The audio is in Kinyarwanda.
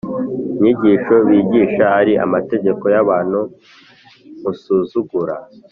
inyigisho bigisha ari amategeko y abantu Musuzugura